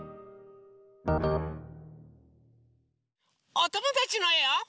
おともだちのえを。